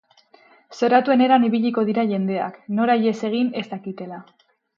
Zoratuen eran ibiliko dira jendeak, nora ihes egin ez dakitela.